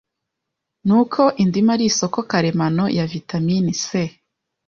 ni uko indimu ari isoko karemano ya Vitamine C,